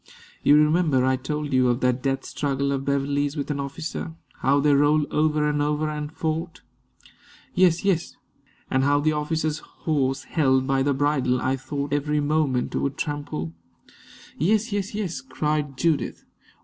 You remember I told you of that death struggle of Beverley's with an officer how they rolled over and over and fought." "Yes yes " "And how the officer's horse, held by the bridle, I thought every moment would trample " "Yes yes yes!" cried Judith.